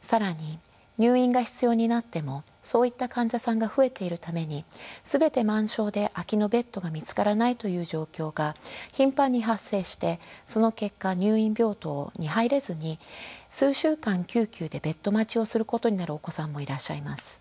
更に入院が必要になってもそういった患者さんが増えているために全て満床で空きのベッドが見つからないという状況が頻繁に発生してその結果入院病棟に入れずに数週間救急でベッド待ちをすることになるお子さんもいらっしゃいます。